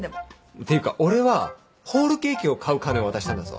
っていうか俺はホールケーキを買う金を渡したんだぞ。